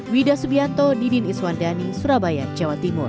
wida subianto didin iswandani surabaya jawa timur